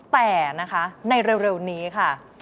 แต่นะคะในเร็วนี้ค่ะ